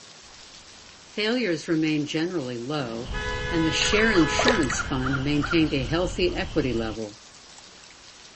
Failures remained generally low, and the Share Insurance Fund maintained a healthy equity level.